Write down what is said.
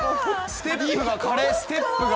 ステップが華麗ステップが。